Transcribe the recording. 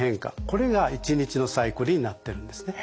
これが一日のサイクルになってるんですね。